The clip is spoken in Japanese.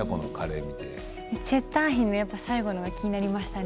チェッターヒンっていうカレーが気になりましたね。